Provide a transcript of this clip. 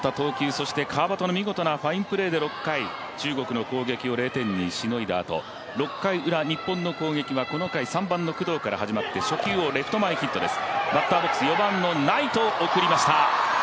そして川畑の見事なファインプレーで６回中国の攻撃を０点にしのいだあと６回ウラ、日本の攻撃はこの回、３番の工藤から始まって初球をレフト前ヒットです。